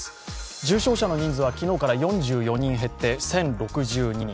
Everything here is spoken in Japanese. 重症者の人数は昨日から４４人減って、１０６２人。